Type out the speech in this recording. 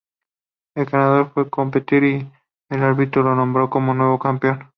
El ganador fue Carpentier y el árbitro lo nombró como nuevo campeón.